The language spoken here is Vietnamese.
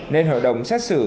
nên hội đồng xét xử